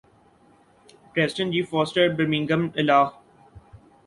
Preston G Foster Birmingham الا